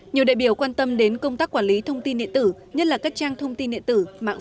nhiều đại biểu quan tâm đến công tác quản lý thông tin điện tử nhất là các trang thông tin điện tử mạng